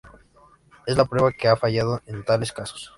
Es la prueba que ha fallado en tales casos.